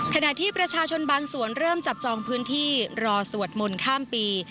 ขณะที่ประชาชนบางส่วนเริ่มจับจองพื้นที่รอสวดมนต์ข้ามปี